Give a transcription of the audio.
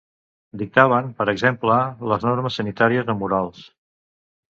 Dictaven, per exemple, les normes sanitàries o morals.